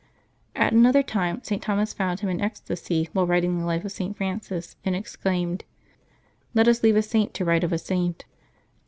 At another time St. Thomas found him in ecstasy while writing the life of St. Francis, and exclaimed, " Let us leave a Saint to write of a Saint."